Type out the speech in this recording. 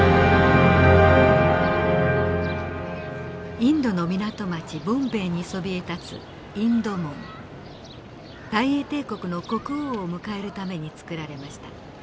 インドの港町ボンベイにそびえ立つ大英帝国の国王を迎えるために造られました。